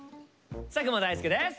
佐久間大介です。